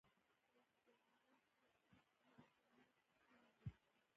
رئیس جمهور خپلو عسکرو ته امر وکړ؛ نوي سرتېري وروزیئ!